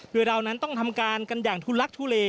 เพื่อเราต้องทำการกันอย่างทุลักทุเห